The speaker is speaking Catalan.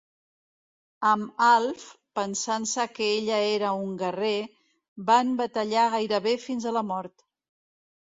Amb Alf, pensant-se que ella era un guerrer, van batallar gairebé fins a la mort.